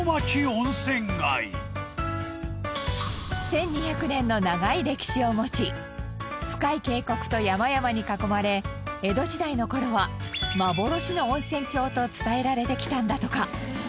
１２００年の長い歴史を持ち深い渓谷と山々に囲まれ江戸時代の頃は幻の温泉郷と伝えられてきたんだとか。